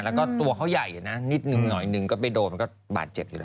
แล้วก็ตัวเขาใหญ่นะนิดนึงหน่อยหนึ่งก็ไปโดนมันก็บาดเจ็บอยู่แล้ว